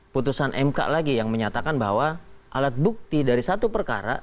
putusan mk lagi yang menyatakan bahwa alat bukti dari satu perkara